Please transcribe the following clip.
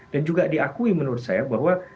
dan juga diakui menurut saya bahwa